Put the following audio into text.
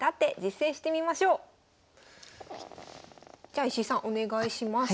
じゃあ石井さんお願いします。